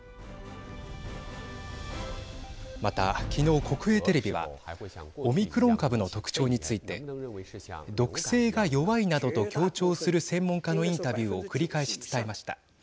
また、昨日、国営テレビはオミクロン株の特徴について毒性が弱いなどと強調する専門家のインタビューを繰り返し伝えました。